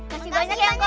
makasih banyak ya kak boy